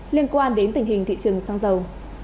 liên quan đến tình hình thị trường xăng dầu